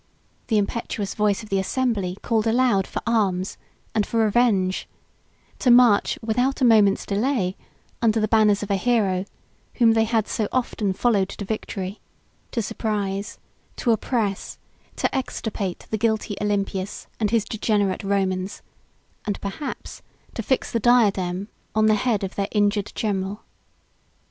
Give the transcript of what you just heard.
The impetuous voice of the assembly called aloud for arms, and for revenge; to march, without a moment's delay, under the banners of a hero, whom they had so often followed to victory; to surprise, to oppress, to extirpate the guilty Olympius, and his degenerate Romans; and perhaps to fix the diadem on the head of their injured general.